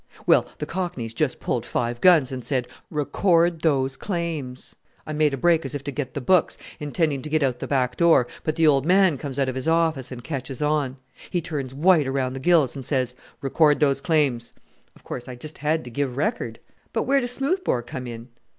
"Well the cockneys just pulled five guns and said, 'Record those claims.' I made a break as if to get the books, intending to get out the back door; but the old man comes out of his office and catches on. He turns white around the gills, and says, 'Record those claims.' Of course, I just had to give record!" "But where does Smoothbore come in?"